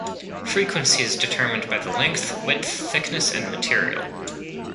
Frequency is determined by the length, width, thickness, and material.